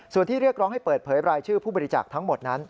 ส่วนที่เรียกร้องให้เปิดเผยรายชื่อผู้บริจาคทั้งหมดนั้น